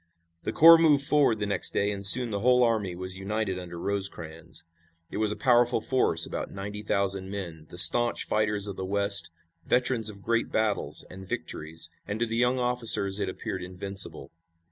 The corps moved forward the next day, and soon the whole army was united under Rosecrans. It was a powerful force, about ninety thousand men, the staunch fighters of the West, veterans of great battles and victories, and to the young officers it appeared invincible.